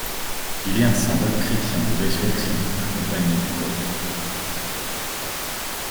Il est un symbole chrétien de résurrection accompagnée du coq.